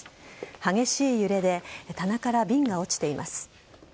激しい揺れで棚から瓶が落ちています。